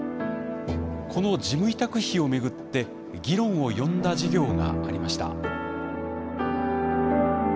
この事務委託費を巡って議論を呼んだ事業がありました。